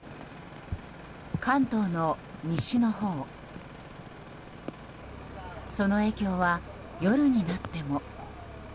関東の西のほうその影響は夜になっても。